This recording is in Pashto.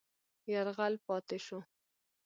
یرغل پاتې شو.